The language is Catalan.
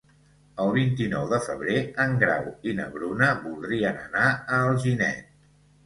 El vint-i-nou de febrer en Grau i na Bruna voldrien anar a Alginet.